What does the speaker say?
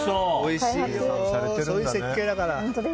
そういう設計だから。